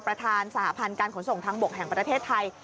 ประธานสหพันธ์การขนส่งทางบกแห่งประเทศไทย